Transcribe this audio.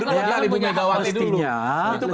kalau anda salahkan itu hal hal yang benar